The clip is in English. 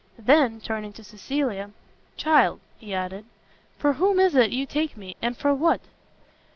Then, turning to Cecilia, "Child," he added, "for whom is it you take me, and for what?"